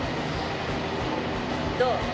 どう？